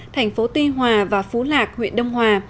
thành phố tuy hòa và phú lạc huyện đông hòa